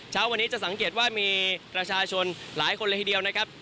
เช้าวันนี้จะสังเกตว่ามีประชาชนหลายคนเลยทีเดียวนะครับ